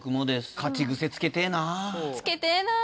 勝ち癖つけてえなぁ。